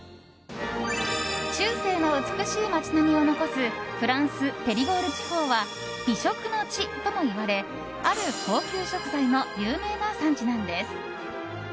中世の美しい街並みを残すフランス・ペリゴール地方は美食の地ともいわれある高級食材の有名な産地なんです。